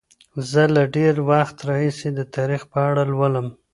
زه له ډیر وخت راهیسې د تاریخ په اړه لولم.